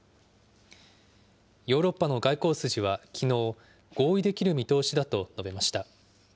ヨーロッパの外交筋はきのう、合意できる見通しだと述べました。